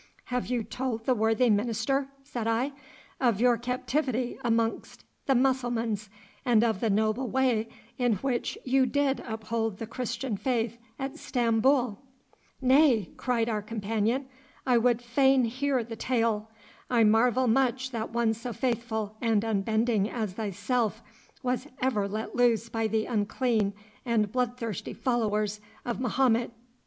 'Have you told the worthy minister,' said I, 'of your captivity amongst the Mussulmans, and of the noble way in which you did uphold the Christian faith at Stamboul?' 'Nay,' cried our companion, 'I would fain hear the tale. I marvel much that one so faithful and unbending as thyself was ever let loose by the unclean and bloodthirsty followers of Mahomet.